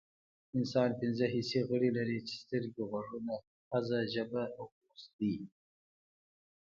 انسان پنځه حسي غړي لري چې سترګې غوږونه پوزه ژبه او پوستکی دي